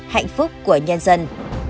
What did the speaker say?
hạnh phúc của nhân dân